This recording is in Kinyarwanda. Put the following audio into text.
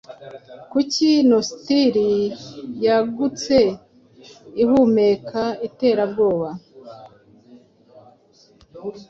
Kuki Nositiri yagutse ihumeka iterabwoba,